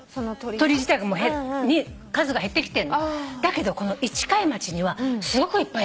鳥自体が数が減ってきてんの。だけどこの市貝町にはすごくいっぱいやって来るの。